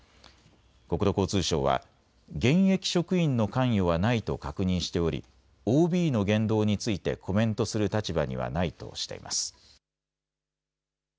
国土交通省は現役職員の関与はないと確認しておりＯＢの言動についてコメントする立場にはないとしています。